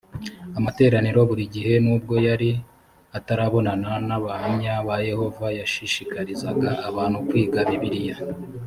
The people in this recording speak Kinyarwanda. amateraniro buri gihe nubwo yari atarabonana n abahamya ba yehova yashishikarizaga abantu kwiga bibiliya